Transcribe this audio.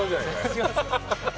違います？